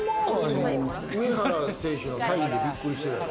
上原選手のサインでびっくりしてるやろ？